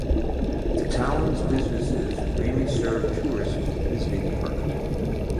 The town's businesses mainly serve tourists visiting the park.